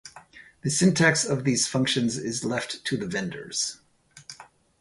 The syntax of these functions is left to the vendors.